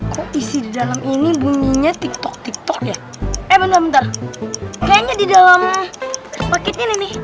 kok isi dalam ini bunyinya tik tok tik tok ya eh bentar bentar kayaknya di dalam paket ini nih